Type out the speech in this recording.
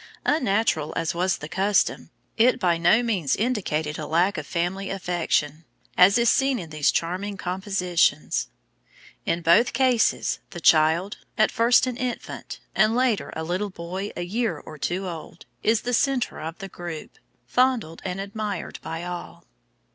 Unnatural as was the custom, it by no means indicated a lack of family affection, as is seen in these charming compositions. In both cases, the child, at first an infant, and later a little boy a year or two old, is the centre of the group, fondled and admired by all.